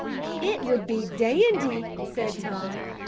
"It would be dandy!" said Tom.